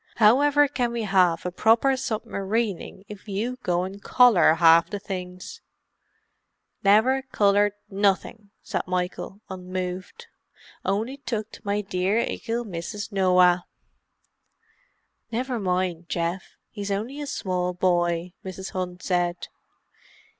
"However can we have a proper submarining if you go and collar half the things?" "Never collared nuffig," said Michael, unmoved. "Only tooked my dear 'ickle Mrs. Noah." "Never mind Geoff—he's only a small boy," Mrs. Hunt said.